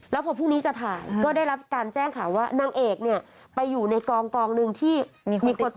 แล้วพอพรุ่งนี้จะถ่ายก็ได้รับการแจ้งข่าวว่านางเอกเนี่ยไปอยู่ในกองหนึ่งที่มีคน